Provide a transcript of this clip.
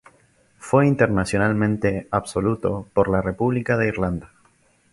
Fue internacional absoluto por la República de Irlanda.